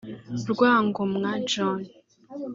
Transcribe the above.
Rwangomwa John